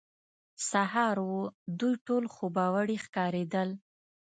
سهار وو، دوی ټول خوبوړي ښکارېدل.